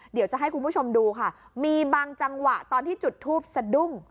เดี๋ยวจะให้คุณผู้ชมดูค่ะมีบางจังหวะตอนที่จุดทูปสะดุ้ง